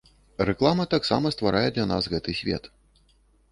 Рэклама таксама стварае для нас гэты свет.